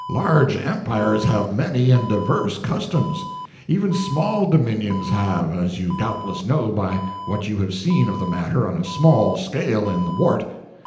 Large empires have many and diverse customs. Even small dominions have, as you doubtless know by what you have seen of the matter on a small scale in the Wart.